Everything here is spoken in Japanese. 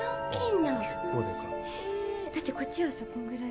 へえだってこっちはさこんぐらい。